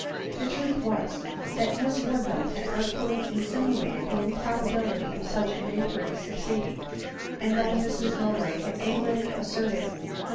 The truth was, (hat Miss Woodville had artfully insin uated the improbability of such an inquiry's succeed ing ; and, though Mrs Mowbray had angrily asserted her 26 298 ADELINE MOWBRAY.